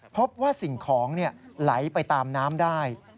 พบว่าสิ่งของไหลไปตามน้ำได้